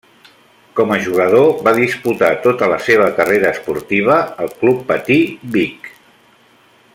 Com a jugador va disputar tota la seva carrera esportiva al Club Patí Vic.